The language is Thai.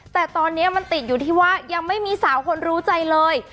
แต่ตอนนี้มันติดอยู่ที่ว่ายังไม่มีสาวคนรู้ใจเลย